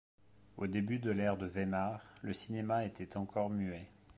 Au début de l'ère de Weimar, le cinéma était encore muet.